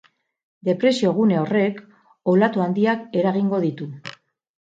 Depresio gune horrek olatu handiak eragingo ditu.